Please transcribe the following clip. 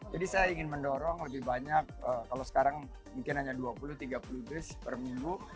jadi saya ingin mendorong lebih banyak kalau sekarang mungkin hanya dua puluh tiga puluh des per minggu